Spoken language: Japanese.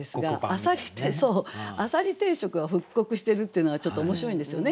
浅蜊定食を覆刻してるっていうのがちょっと面白いんですよね。